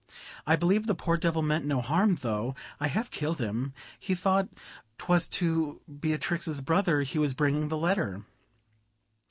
I believe the poor devil meant no harm, though I half killed him; he thought 'twas to Beatrix's brother he was bringing the letter."